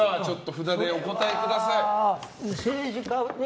札でお答えください。